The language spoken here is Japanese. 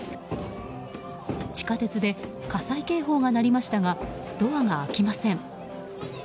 地下鉄で火災警報が鳴りましたがドアが開きません。